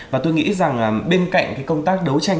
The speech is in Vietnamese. và tôi nghĩ rằng bên cạnh cái công tác đấu tranh